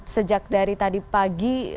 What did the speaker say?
sejak dari tadi pagi